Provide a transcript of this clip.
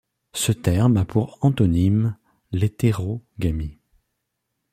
Ce terme a pour antonyme l'hétérogamie.